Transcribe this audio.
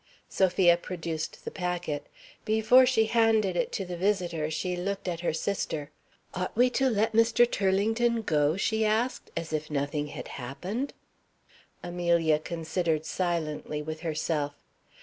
Sophia produced the packet. Before she handed it to the visitor, she looked at her sister. "Ought we to let Mr. Turlington go," she asked, "as if nothing had happened?" Amelia considered silently with herself.